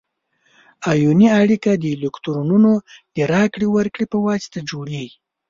ایوني اړیکه د الکترونونو د راکړې ورکړې په واسطه جوړیږي.